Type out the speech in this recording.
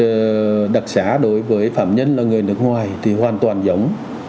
việc xét duyệt đặc sá đối với phạm nhân là người nước ngoài thì hoàn toàn giống